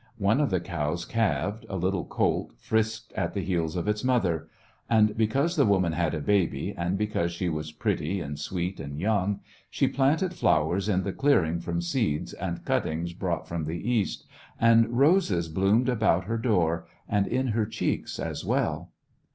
One of the cows calved, a little colt frisked at the heels of its mother. And because the woman had a baby, and because she was pretty and sweet and young, she planted flowers in the clearing from seeds and cuttings brought from the East, and roses bloomed about her door and in her cheeks as well.